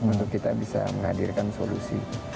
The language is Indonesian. untuk kita bisa menghadirkan solusi